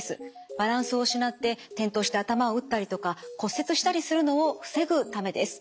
バランスを失って転倒して頭を打ったりとか骨折したりするのを防ぐためです。